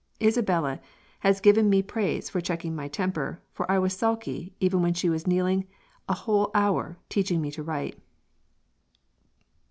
Isabella has given me praise for checking my temper for I was sulky even when she was kneeling an hole hour teaching me to write."